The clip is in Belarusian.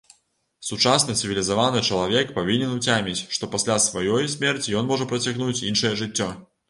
Сучасны цывілізаваны чалавек павінен уцяміць, што пасля сваёй смерці ён можа працягнуць іншае жыццё!